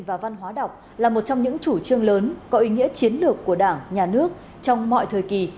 và văn hóa đọc là một trong những chủ trương lớn có ý nghĩa chiến lược của đảng nhà nước trong mọi thời kỳ